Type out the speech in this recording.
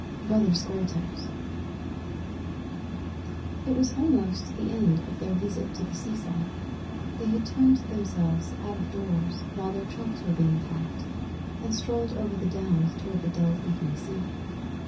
Brother Square Toes It was almost the end of their visit to the seaside. They had turned themselves out of doors while their trunks were being packed, and strolled over the Downs towards the dull evening sea.